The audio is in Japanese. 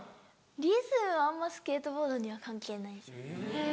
リズムはあんまスケートボードには関係ない。